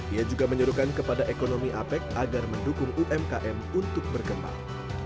ia juga menyuruhkan kepada ekonomi apec agar mendukung umkm untuk berkembang